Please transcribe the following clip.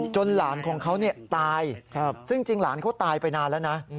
หลานของเขาตายซึ่งจริงหลานเขาตายไปนานแล้วนะ